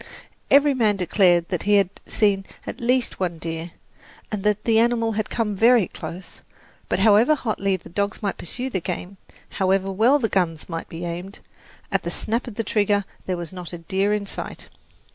Every man declared that he had seen at least one deer, and that the animal had come very close; but however hotly the dogs might pursue the game, however well the guns might be aimed, at the snap of the trigger there was not a deer in sight.